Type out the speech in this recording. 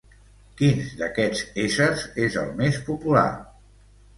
Quin d'aquests éssers és el més popular?